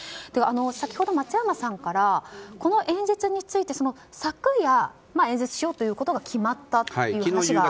先ほど松山さんからこの演説について昨夜、演説しようということが決まったという話が。